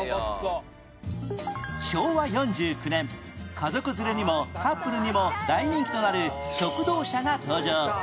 昭和４９年家族連れにもカップルにも大人気となる食堂車が登場